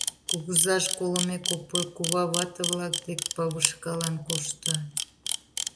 Кугызаж колымек, Опой кува вате-влак дек павышкалан кошто.